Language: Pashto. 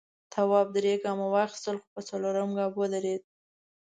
تواب درې گامه واخیستل خو په څلورم گام ودرېد.